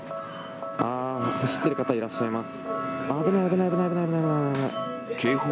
あー、走ってる方、いらっしゃいます。